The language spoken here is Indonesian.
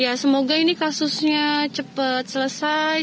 ya semoga ini kasusnya cepat selesai